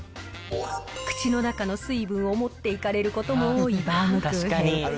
口の中の水分を持っていかれることも多いバウムクーヘン。